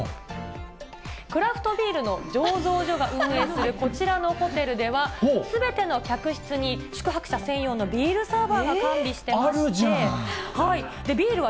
クラフトビールの醸造所が運営するこちらのホテルでは、すべての客室に宿泊者専用のビールサーバーが完備してまして。